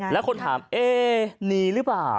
แล้วคนถามเอ๊หนีหรือเปล่า